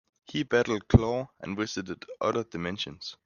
He battled Klaw, and visited other dimensions.